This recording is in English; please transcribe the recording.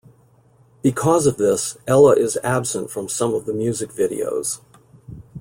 Because of this, Ella is absent from some of the music videos.